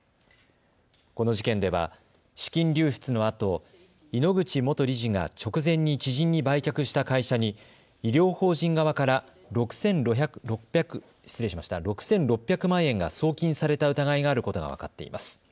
この事件では資金流出のあと井ノ口元理事が直前に知人に売却した会社に医療法人側から６６００万円が送金された疑いがあることが分かっています。